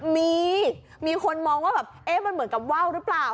มีมีคนมองว่าแบบเอ๊ะมันเหมือนกับว่าวหรือเปล่า